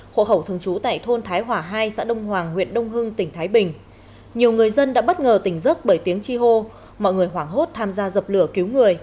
hộ khẩu thường trú tại thôn thái hòa hai xã đông hoàng huyện đông hưng tỉnh thái bình